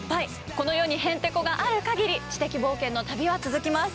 この世にへんてこがあるかぎり知的冒険の旅は続きます。